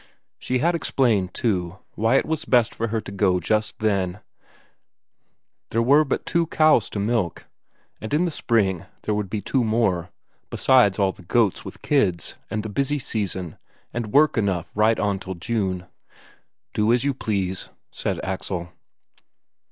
She had explained, too, why it was best for her to go just then; there were but two cows to milk, and in the spring there would be two more, besides all the goats with kids, and the busy season, and work enough right on till June. "Do as you please," said Axel.